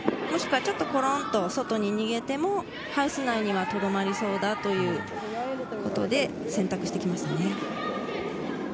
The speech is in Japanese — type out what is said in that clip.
もしくはちょっとコロンと外に逃げてもハウス内にはとどまりそうだということで選択してきます。